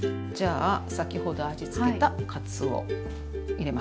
先ほど味付けたかつお入れますね。